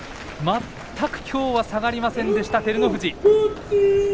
全くきょうは下がりませんでした照ノ富士。